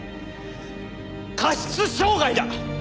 過失傷害だ！